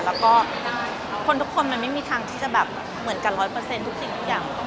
แล้วก็คนทุกคนมันไม่มีทางที่จะแบบเหมือนกัน๑๐๐ทุกสิ่งทุกอย่าง